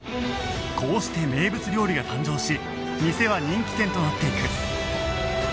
こうして名物料理が誕生し店は人気店となっていく